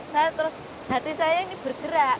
saya terus hati saya ini bergerak